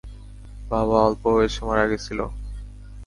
বাবা অল্প বয়সে মারা গেছিলো?